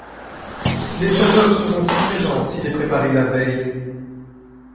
Les saveurs seront plus présentes s'il est préparé la veille.